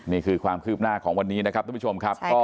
นี่คือความคืบหน้าของวันนี้นะครับทุกผู้ชมครับ